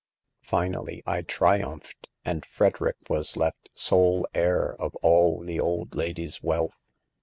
Fmally I tri umphed, and Frederick was left sole heir of all the old lady's wealth.